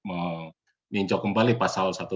menginjau kembali pasal satu ratus tujuh puluh tiga